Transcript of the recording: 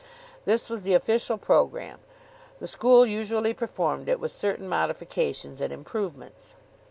This was the official programme. The school usually performed it with certain modifications and improvements.